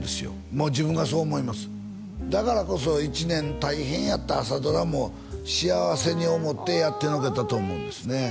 もう自分がそう思いますだからこそ一年大変やった朝ドラも幸せに思ってやってのけたと思うんですね